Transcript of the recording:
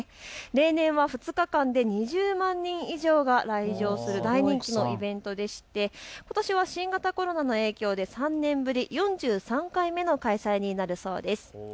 例年は２日間で２０万人以上の方が来場する大人気のイベントでしてことしは新型コロナの影響で３年ぶり、４３回目の開催になるそうです。